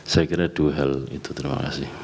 saya kira dua hal itu terima kasih